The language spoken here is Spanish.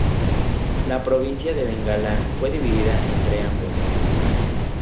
La provincia de Bengala fue dividida entre ambos.